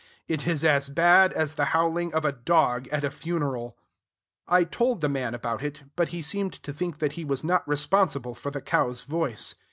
It is as bad as the howling of a dog at a funeral. I told the man about it; but he seemed to think that he was not responsible for the cow's voice.